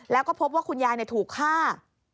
แล้วก็พบว่าคุณยายถูกฆ่า